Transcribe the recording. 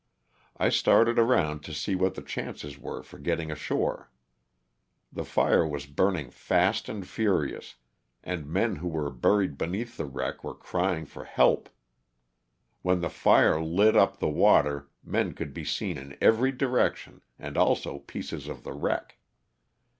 I started around to see what the chances were for getting ashore. The fire was burning fast and furious, and men who were buried beneath the wreck were crying for help. When the fire lit up the water men could be seen in every direc tion and also pieces of the wreck.